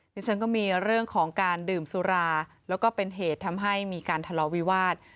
ดิฉันก็มีเรื่องของการดื่มสุราแล้วก็เป็นเหตุทำให้มีการทะเลาวิวาส